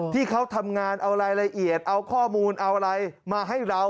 ที่เขาทำงานเอารายละเอียดเอาข้อมูลเอาอะไรมาให้เรา